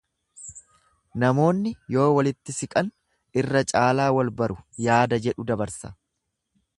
Namoonni yoo walitti siqan irra caalaa wal baru yaada jedhu dabarsa.